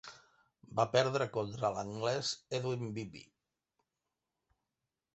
Va perdre contra l'anglès Edwin Bibby.